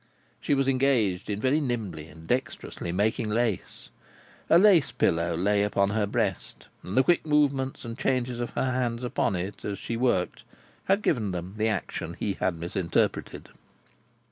She was engaged in very nimbly and dexterously making lace. A lace pillow lay upon her breast; and the quick movements and changes of her hands upon it as she worked, had given them the action he had misinterpreted.